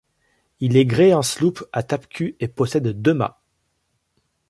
Il est gréé en sloop à tapecul et possède deux mâts.